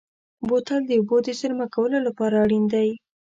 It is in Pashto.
بوتل د اوبو د زېرمه کولو لپاره اړین دی.